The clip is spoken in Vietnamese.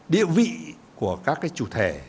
địa vị của các chủ thể